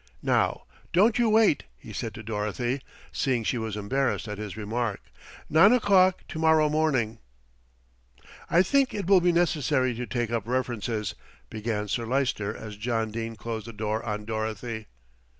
"Now, don't you wait," he said to Dorothy, seeing she was embarrassed at his remark; "nine o'clock to morrow morning." "I think it will be necessary to take up references," began Sir Lyster as John Dene closed the door on Dorothy.